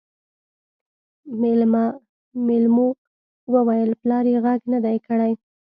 مېلمو وويل پلار يې غږ نه دی کړی.